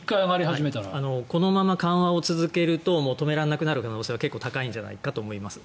このまま緩和を続けると止められなくなる可能性は結構高いと思います。